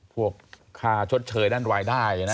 พวกค่าชดเชยด้านดวายได้